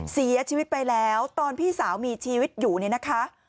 เสียชีวิตไปแล้วตอนพี่สาวมีชีวิตอยู่เนี่ยนะคะ